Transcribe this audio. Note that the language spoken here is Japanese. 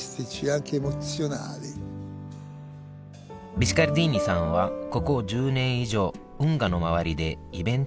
ビスカルディーニさんはここ１０年以上運河の周りでイベントを行っています。